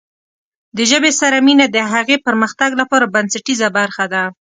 د ژبې سره مینه د هغې پرمختګ لپاره بنسټیزه برخه ده.